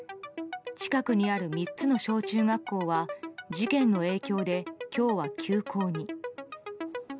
近くにある３つの小中学校は事件の影響で今日は休校に。